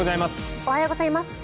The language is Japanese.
おはようございます。